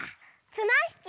つなひき？